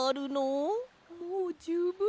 もうじゅうぶんです。